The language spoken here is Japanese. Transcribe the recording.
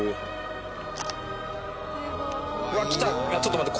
ちょっと待って。